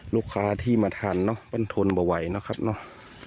ลูกค้าที่มาทันเนอะไม่ได้ทนไปไหวเนอะครับเนอะ